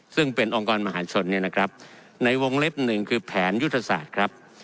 ซึ่งเป็นองค์กรมหาชนเนี่ยนะครับในวงเล็บหนึ่งคือแผนยุทธศาสตร์ครับ